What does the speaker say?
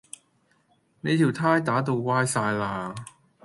你條呔打到歪哂喇